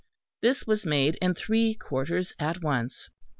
This was made in three quarters at once.